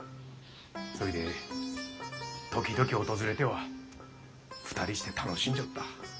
そいで時々訪れては２人して楽しんじょった。